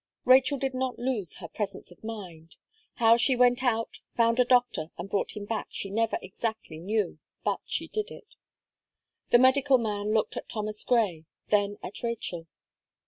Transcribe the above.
Rachel did not lose her presence of mind. How she went out, found a doctor, and brought him back, she never exactly knew; but she did it. The medical man looked at Thomas Gray, then at Rachel.